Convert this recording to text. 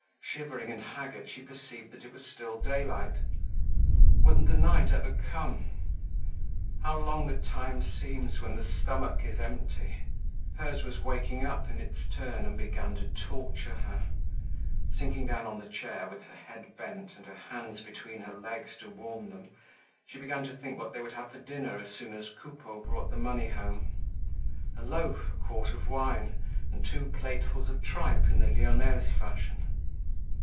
Shivering and haggard she perceived that it was still daylight. Wouldn't the night ever come? How long the time seems when the stomach is empty! Hers was waking up in its turn and beginning to torture her. Sinking down on the chair, with her head bent and her hands between her legs to warm them, she began to think what they would have for dinner as soon as Coupeau brought the money home: a loaf, a quart of wine and two platefuls of tripe in the Lyonnaise fashion.